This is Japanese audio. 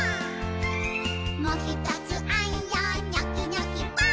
「もひとつあんよニョキニョキばぁ！」